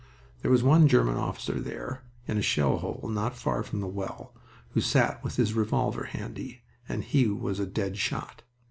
There was one German officer there in a shell hole not far from the well, who sat with his revolver handy, and he was a dead shot.